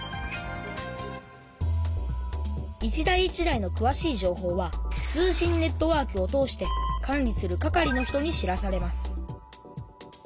一台一台のくわしいじょうほうは通信ネットワークを通して管理する係の人に知らされます